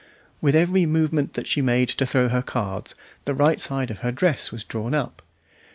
With every movement that she made to throw her cards the right side of her dress was drawn up.